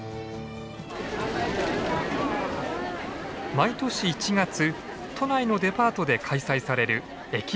毎年１月都内のデパートで開催される駅弁大会。